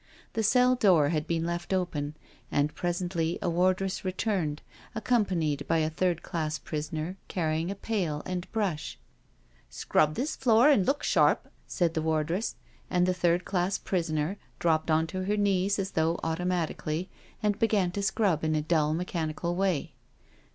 The cell door had been left open, and pre sently a wardress returned accompanied by a third class prisoner carrying a pail and brush. " Scrub this floor, and look sharp," said the ward ress; and the third class prisoner dropped on to her IN THE PUNISHMENT CELL ^9 knees as though automatically, and began to scrub in a duU^ mechanical way.